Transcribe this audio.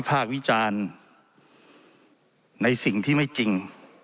ภาควิจารณ์ในสิ่งที่ไม่จริง